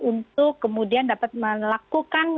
untuk kemudian dapat melakukan